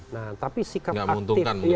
nah tapi sikap aktif